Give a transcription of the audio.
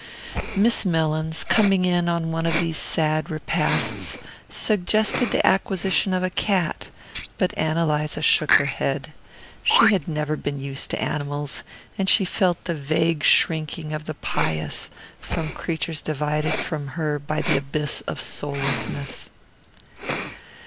Miss Mellins, coming in on one of these sad repasts, suggested the acquisition of a cat; but Ann Eliza shook her head. She had never been used to animals, and she felt the vague shrinking of the pious from creatures divided from her by the abyss of soullessness.